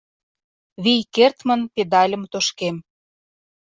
Вий кертмын педальым тошкем.